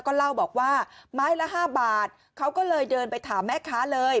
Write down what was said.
ก็เล่าบอกว่าไม้ละ๕บาทเขาก็เลยเดินไปถามแม่ค้าเลย